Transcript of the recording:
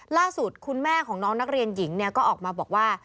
ล่าสุดคุณแม่ของน้องนักเรียนหญิงก็ออกมาบอกว่า